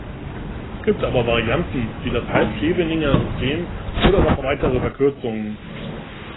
Es gibt aber Varianten wie das Halb-Scheveninger System oder noch weitere Verkürzungen.